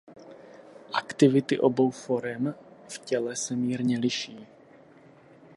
Aktivity obou forem v těle se mírně liší.